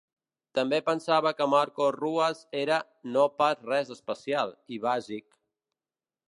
També pensava que Marco Ruas era "no pas res especial" i "bàsic".